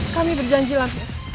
kami berjanji lampir